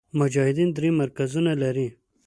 مجاهدین درې مرکزونه لري.